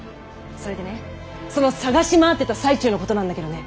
それでねその探し回ってた最中のことなんだけどね。